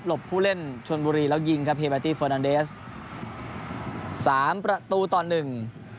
ผู้เล่นชนบุรีแล้วยิงครับเฮเบตี้เฟอร์นันเดสสามประตูต่อหนึ่ง